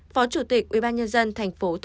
phó chủ tịch ubnd tp th